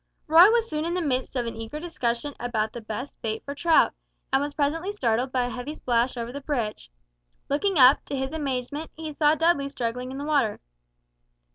Roy was soon in the midst of an eager discussion about the best bait for trout; and was presently startled by a heavy splash over the bridge. Looking up, to his amazement, he saw Dudley struggling in the water.